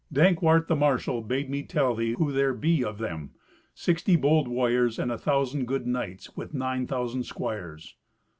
"Dankwart, the marshal, bade me tell thee who there be of them: sixty bold warriors and a thousand good knights, with nine thousand squires."